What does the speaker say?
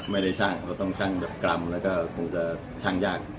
ไม่ได้ช่างเขาต้องช่างกรรมแล้วคงจะช่างยาก